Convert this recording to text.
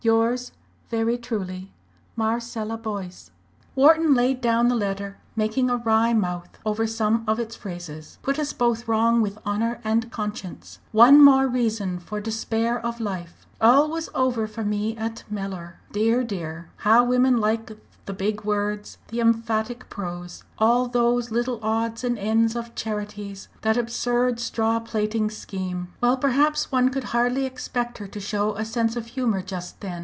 "Yours very truly, "MARCELLA BOYCE." Wharton laid down the letter, making a wry mouth over some of its phrases. "'Put us both wrong with honour and conscience.' 'One more reason for despair of life' 'All was over for me at Mellor' dear! dear! how women like the big words the emphatic pose. All those little odds and ends of charities that absurd straw plaiting scheme! Well, perhaps one could hardly expect her to show a sense of humour just then.